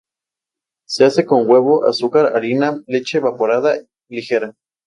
Se hace con huevo, azúcar, harina y leche evaporada ligera.